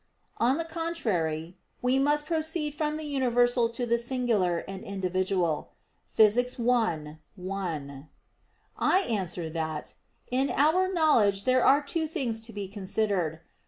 On the contrary, "We must proceed from the universal to the singular and individual" (Phys. i, 1) I answer that, In our knowledge there are two things to be considered.